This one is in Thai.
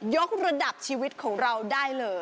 กระดับชีวิตของเราได้เลย